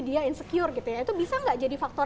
dia insecure gitu ya itu bisa nggak jadi faktor